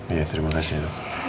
iya terima kasih ibu